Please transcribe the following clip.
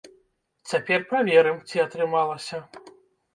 Цяпер праверым, ці атрымалася.